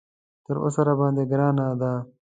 تر اوسه راباندې ګرانه ده.